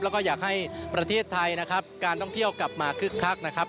แล้วก็อยากให้ประเทศไทยนะครับการท่องเที่ยวกลับมาคึกคักนะครับ